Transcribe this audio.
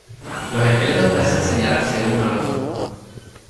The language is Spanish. Los esqueletos parecen señalarse uno al otro.